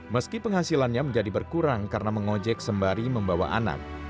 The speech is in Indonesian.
meski penghasilannya menjadi berkurang karena mengojek sembari membawa anak